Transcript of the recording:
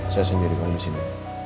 saya sendiri kan di sini